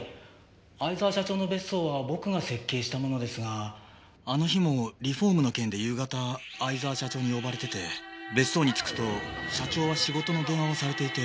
逢沢社長の別荘は僕が設計したものですがあの日もリフォームの件で夕方逢沢社長に呼ばれてて別荘に着くと社長は仕事の電話をされていて。